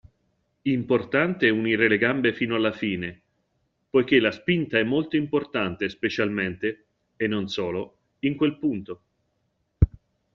Importante unire le gambe fino alla fine, poiché la spinta è molto importante specialmente (e non solo) in quel punto.